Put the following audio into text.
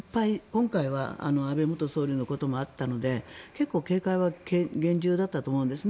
今回は安倍元総理のこともあったので結構、警戒は厳重だったと思うんですね。